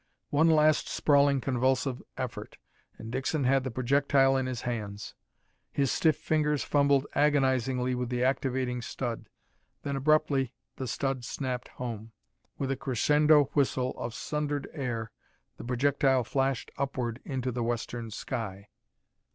One last sprawling convulsive effort and Dixon had the projectile in his hands. His stiff fingers fumbled agonizingly with the activating stud. Then abruptly the stud snapped home. With a crescendo whistle of sundered air the projectile flashed upward into the western sky.